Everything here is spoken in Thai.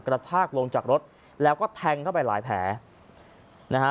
กระชากลงจากรถแล้วก็แทงเข้าไปหลายแผลนะฮะ